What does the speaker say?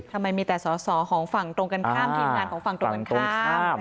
ทำไมมีแต่สอสอของฝั่งตรงกันข้ามทีมงานของฝั่งตรงกันข้าม